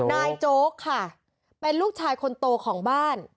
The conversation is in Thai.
โจ๊กค่ะเป็นลูกชายคนโตของบ้าน